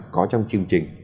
có trong chương trình